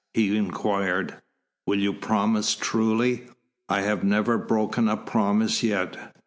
he inquired. "Will you promise truly?" "I have never broken a promise yet."